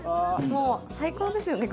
もう最高ですよね